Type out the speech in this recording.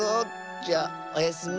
じゃおやすみ。